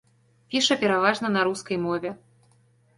Піша пераважна на рускай мове.